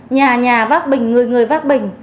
nhà nhà vác bình người người vác bình